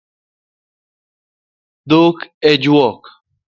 Dhok e juok